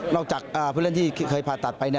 จากผู้เล่นที่เคยผ่าตัดไป